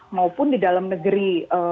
maupun di dalam negeri